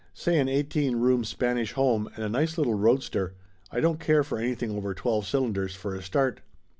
Say an eighteen room Spanish home and a nice little roadster. I don't care for anything over twelve cylinders for a start."